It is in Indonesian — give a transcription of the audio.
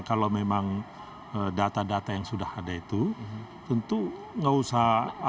kalau memang data data yang sudah ada itu tentu nggak usah